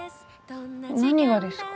何がですか？